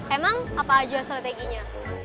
emang apa aja strateginya